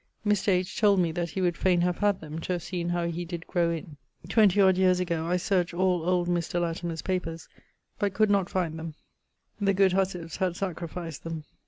Mr. H. told me that he would faine have had them, to have seen how he did grow in.... Twenty odde yeares agoe I searcht all old Mr. Latimer's papers, but could not find them; the good huswives had sacrificed them.